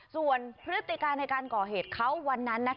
ส่วนพฤติการในการก่อเหตุเขาวันนั้น